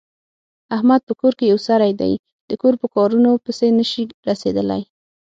احمد په کور کې یو سری دی، د کور په کارنو پسې نشي رسېدلی.